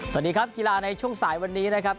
สวัสดีครับกีฬาในช่วงสายวันนี้นะครับ